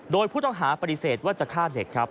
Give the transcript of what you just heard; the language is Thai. โดยผู้ต้องหาปฏิเสธว่าจะฆ่าเด็กครับ